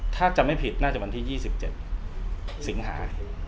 ถ้าจำไม่ผิดน่าจะวันที่๒๗สิงหา